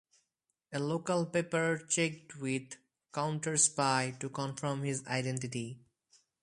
A local paper checked with "CounterSpy" to confirm his identity.